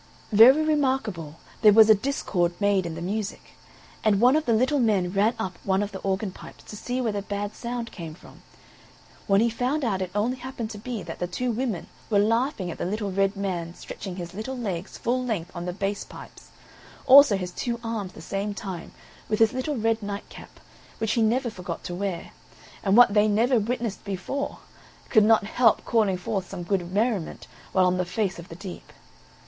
Very remarkable, there was a discord made in the music, and one of the little men ran up one of the organ pipes to see where the bad sound came from, when he found out it only happened to be that the two women were laughing at the little red man stretching his little legs full length on the bass pipes, also his two arms the same time, with his little red night cap, which he never forgot to wear, and what they never witnessed before, could not help calling forth some good merriment while on the face of the deep.